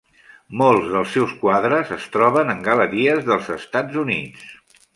Molts dels seus quadres es troben en galeries dels Estats Units.